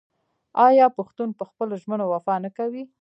آیا پښتون په خپلو ژمنو وفا نه کوي؟